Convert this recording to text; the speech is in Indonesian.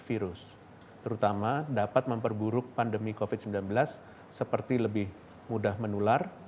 virus terutama dapat memperburuk pandemi covid sembilan belas seperti lebih mudah menular